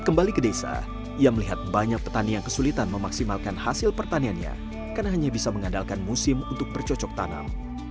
kembali ke desa ia melihat banyak petani yang kesulitan memaksimalkan hasil pertaniannya karena hanya bisa mengandalkan musim untuk bercocok tanam